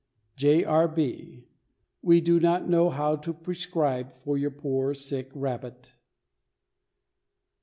J. R. B. We do not know how to prescribe for your poor sick rabbit.